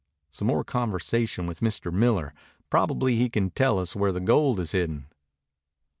"Some more conversation with Miller. Probably he can tell us where the gold is hidden."